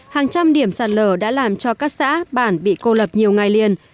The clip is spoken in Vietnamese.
hàng trăm điểm sạt lở đã làm cho các xã bản bị cô lập nhiều ngày liền